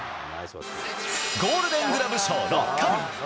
ゴールデングラブ賞６回。